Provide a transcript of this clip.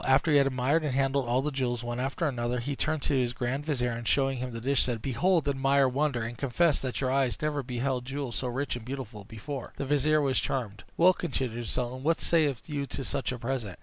After he had admired and handled all the jewels one after another, he turned to his grand vizier, and, showing him the dish, said, "Behold! admire! wonder! and confess that your eyes never beheld jewels so rich and beautiful before!" The vizier was charmed. "Well," continued the sultan, "what sayest thou to such a present?